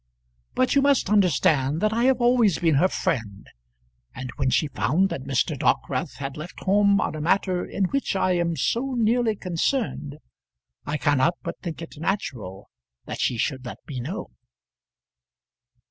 But you must understand that I have always been her friend; and when she found that Mr. Dockwrath had left home on a matter in which I am so nearly concerned, I cannot but think it natural that she should let me know."